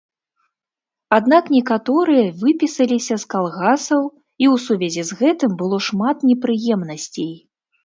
Аднак некаторыя выпісаліся з калгасаў, і ў сувязі з гэтым было шмат непрыемнасцей.